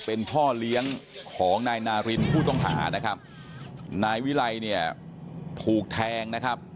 เป็นพ่อเลี้ยงของนายนารินผู้ต้องหานะครับนายวิไลเนี่ยถูกแทงนะครับ